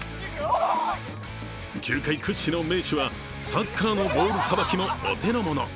球界屈指の名手はサッカーのボールさばきもお手のもの。